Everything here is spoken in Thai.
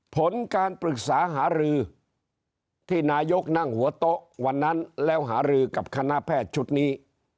ผลการปรึกษาหารือที่นายกนั่งหัวโต๊ะวันนั้นแล้วหารือกับคณะแพทย์ชุดนี้